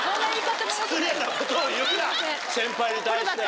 先輩に対して。